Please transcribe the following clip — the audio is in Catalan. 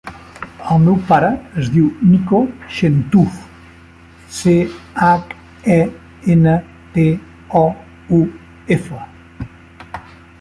El meu pare es diu Niko Chentouf: ce, hac, e, ena, te, o, u, efa.